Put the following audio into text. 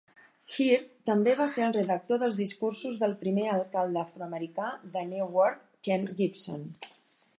Heard també va ser el redactor dels discursos del primer alcalde afroamericà de Newark, Ken Gibson.